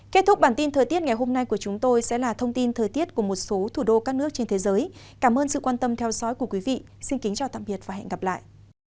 kết thúc bản tin thời tiết ngày hôm nay của chúng tôi sẽ là thông tin thời tiết của một số thủ đô các nước trên thế giới cảm ơn sự quan tâm theo dõi của quý vị xin kính chào tạm biệt và hẹn gặp lại